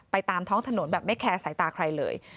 ตามท้องถนนแบบไม่แคร์สายตาใครเลย